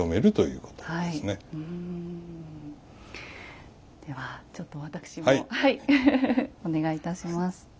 ではちょっと私もお願いいたします。